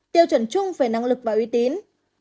tiêu chuẩn chung về năng lực và uy tín